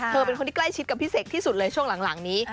เป็นคนที่ใกล้ชิดกับพี่เสกที่สุดเลยช่วงหลังนี้